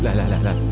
lah lah lah lah lah